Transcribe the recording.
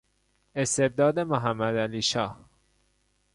استبداد محمدعلیشاه